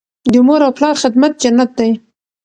د مور او پلار خدمت جنت دی.